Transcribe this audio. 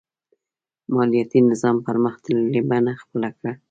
مالیاتي نظام پرمختللې بڼه خپله کړه.